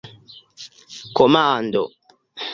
komando